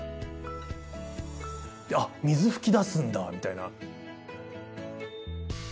あっ水噴き出すんだみたいな。